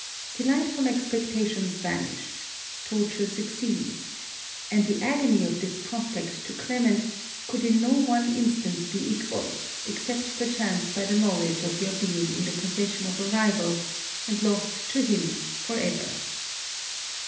Delightful expectations vanish. Torture succeeds. And the agony of this prospect to Clement could in no one instance be equalled, except perchance by the knowledge of your being in the possession of a rival and lost to him for ever.